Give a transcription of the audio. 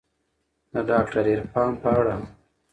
د داکتر عرفان په اړه هم